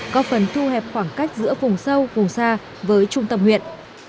có phần thu hẹp khoảng cách giữa vùng sâu vùng xa với trung tâm huyện